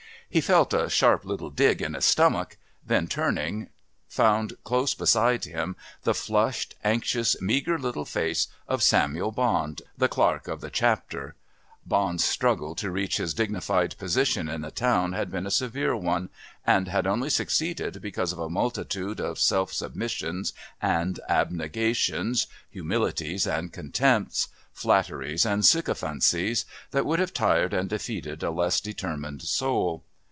He felt a sharp little dig in his stomach, then, turning, found close beside him the flushed anxious, meagre little face of Samuel Bond, the Clerk of the Chapter. Bond's struggle to reach his dignified position in the town had been a severe one, and had only succeeded because of a multitude of self submissions and abnegations, humilities and contempts, flatteries and sycophancies that would have tired and defeated a less determined soul.